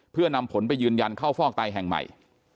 เพื่อนำผลไปยืนยันเข้าฟอกไตแห่งใหม่